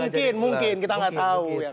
mungkin mungkin kita nggak tahu